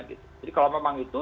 jadi kalau memang ya itu